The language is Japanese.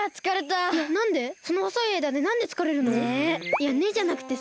いや「ねっ」じゃなくてさ。